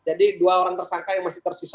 jadi dua orang tersangka yang masih tersisa